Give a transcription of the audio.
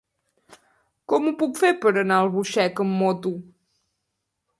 Com ho puc fer per anar a Albuixec amb moto?